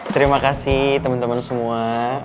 terima kasih teman teman semua